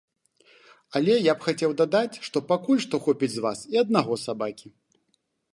Але я б хацеў дадаць, што пакуль што хопіць з вас і аднаго сабакі.